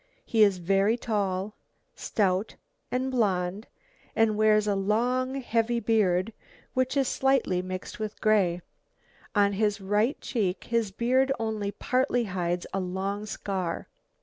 He is very tall, stout and blond, and wears a long heavy beard, which is slightly mixed with grey. On his right cheek his beard only partly hides a long scar.